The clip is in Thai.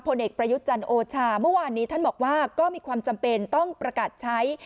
พลเอกประยุจันโอชาว่านี้ท่านบอกว่าก็มีความจำเป็นต้องประกัดใช้